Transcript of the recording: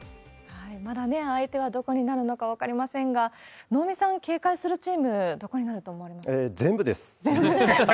まだね、相手はどこになるのか分かりませんが、能見さん、警戒するチーム、全部です。